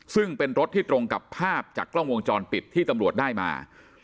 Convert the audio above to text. ซึ่งเป็นรถที่ตรงกับภาพจากกล้องวงจรปิดที่ตำรวจได้มา